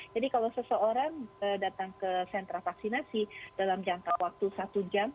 jadi kalau seseorang datang ke sentra vaksinasi dalam jangka waktu satu jam